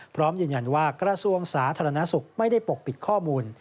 พร้อมยืนยันว่ากระทรวงสาธารณสุขไม่ได้ปกปิดข้อมูล